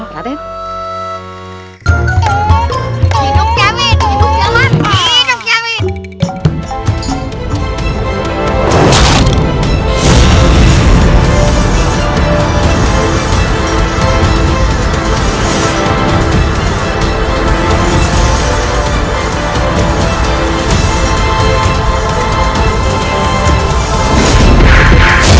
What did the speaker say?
jangan lalu nget